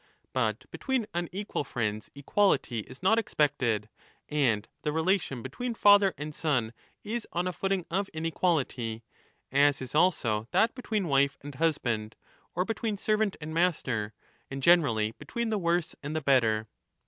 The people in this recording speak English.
But between unequal friends equality is 25 not expected, and the relation between father and son is on a footing of inequality, as is also that between wife and husband, or between servant and master, and generally between the worse and the better.